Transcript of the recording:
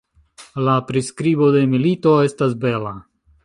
La priskribo de milito estas bela.